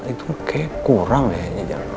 itu kayaknya kurang kayaknya